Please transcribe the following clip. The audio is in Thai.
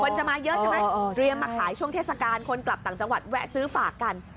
จะมาเยอะใช่ไหมเตรียมมาขายช่วงเทศกาลคนกลับต่างจังหวัดแวะซื้อฝากกัน